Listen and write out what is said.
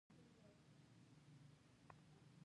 ښه مشوره مشتری پرېکړې ته رهبري کوي.